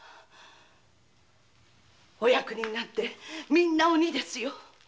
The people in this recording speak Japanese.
お役人なんてみんな鬼ですよ。